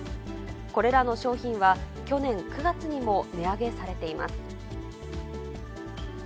これらの商品は、去年９月にも値上げされています。